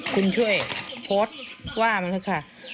คุณช่วยโพสต์ว่ามันเถอะค่ะ